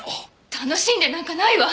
楽しんでなんかないわ！